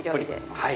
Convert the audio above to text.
はい。